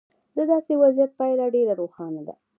د داسې وضعیت پایله ډېره روښانه ده.